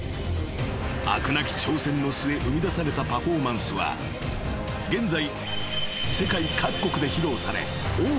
［飽くなき挑戦の末生みだされたパフォーマンスは現在］